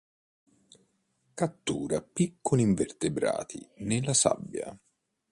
Cattura piccoli invertebrati nella sabbia.